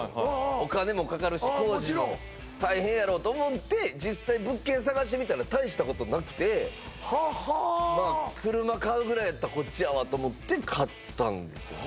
お金もかかるし工事も大変やろうと思って実際物件探してみたら大したことなくてはっは車買うぐらいやったらこっちやわと思って買ったんですよね